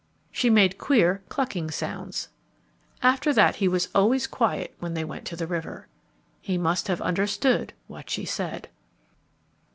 She made queer clucking sounds. After that he was always quiet when they went to the river. He must have understood what she said.